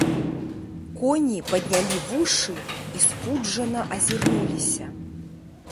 Коні паднялі вушы і спуджана азірнуліся.